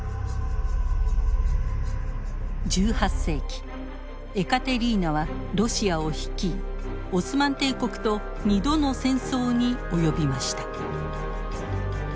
１８世紀エカテリーナはロシアを率いオスマン帝国と２度の戦争に及びました。